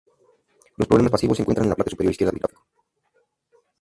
Los problemas pasivos se encuentran en la parte superior izquierda del gráfico.